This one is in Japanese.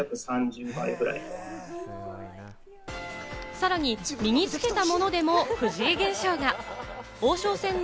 さらに、身につけたものでも藤井現象が。